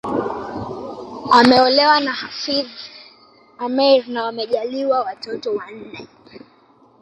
Ameolewa na Hafidh Ameir na wamejaaliwa watoto wanne